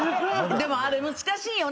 でもあれ難しいんよな。